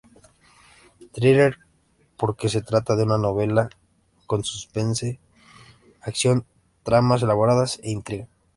Thriller, porque se trata de una novela con suspense, acción, tramas elaboradas e intriga.